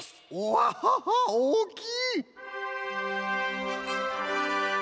ワッハハおおきい！